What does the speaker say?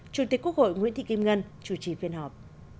chủ tịch quốc hội nguyễn thị kim ngân chủ trì phiên họp